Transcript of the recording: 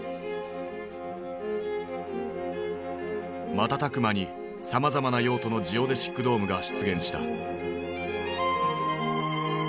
瞬く間にさまざまな用途のジオデシックドームが出現した。